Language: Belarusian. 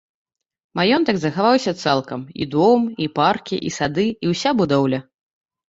Маёнтак захаваўся цалкам, і дом, і паркі, і сады, і ўся будоўля.